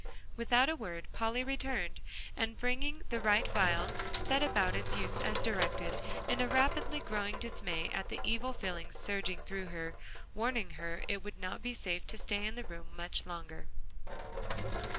Without a word Polly returned, and bringing the right vial set about its use as directed, in a rapidly growing dismay at the evil feelings surging through her, warning her it would not be safe to stay in the room much longer.